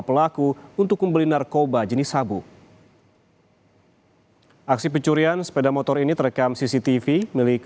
pelaku untuk membeli narkoba jenis sabu aksi pencurian sepeda motor ini terekam cctv milik